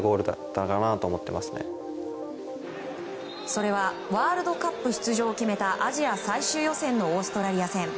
それはワールドカップ出場を決めたアジア最終予選のオーストラリア戦。